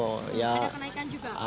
ada kenaikan juga